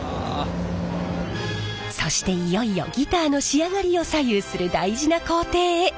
そしていよいよギターの仕上がりを左右する大事な工程へ。